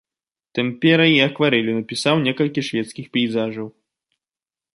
Тэмперай і акварэллю напісаў некалькі шведскіх пейзажаў.